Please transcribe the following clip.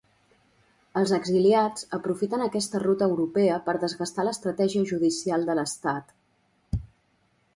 Els exiliats aprofiten aquesta ruta europea per desgastar l'estratègia judicial de l'Estat.